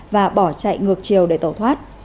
và bỏ chạy ngược chiều để tẩu thoát